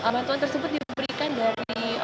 bantuan tersebut diberikan dari